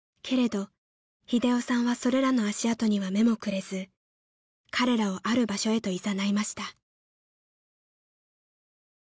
［けれど英雄さんはそれらの足跡には目もくれず彼らをある場所へといざないました］